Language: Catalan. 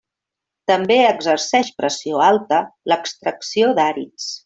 També exerceix pressió alta l'extracció d'àrids.